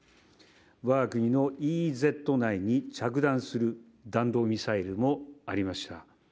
我が国のＥＥＺ内に着弾する弾道ミサイルもありました。